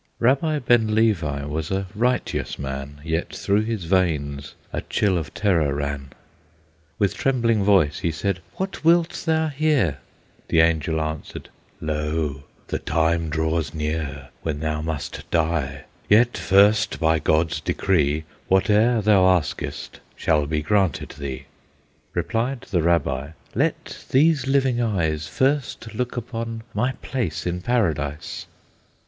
Rabbi Ben Levi was a righteous man, Yet through his veins a chill of terror ran. With trembling voice he said, "What wilt thou here?" The angel answered, "Lo! the time draws near When thou must die; yet first, by God's decree, Whate'er thou askest shall be granted thee." Replied the Rabbi, "Let these living eyes First look upon my place in Paradise."